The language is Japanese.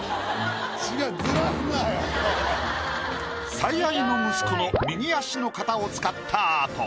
違う最愛の息子の右足の形を使ったアート。